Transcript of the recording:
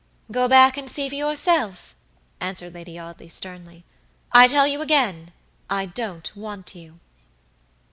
"Go back and see for yourself," answered Lady Audley, sternly. "I tell you again, I don't want you."